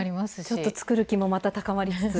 ちょっと作る気もまた高まりつつ。